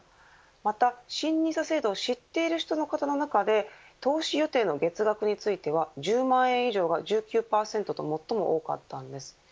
また、新ＮＩＳＡ制度を知っている人の中で投資予定の月額については１０万円以上が１９％と最も多かったんです。